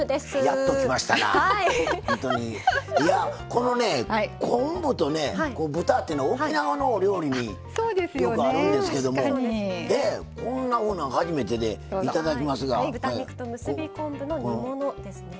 この昆布と豚っていうのは沖縄のお料理によくあるんですけどもこんなものは初めてでいただきますが。